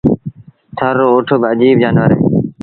ٿر رو اُٺ با اَجيب جآنور اهي۔